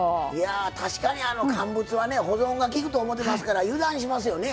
確かに乾物は保存がきくと思ってますから油断しますよね。